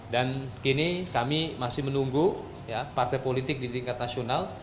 dan kini kami masih menunggu partai politik di tingkat nasional